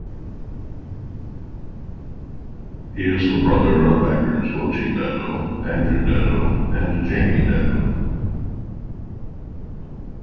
He is the brother of actors Lochie Daddo, Andrew Daddo and Jamie Daddo.